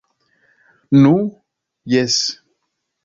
Nu, Jes.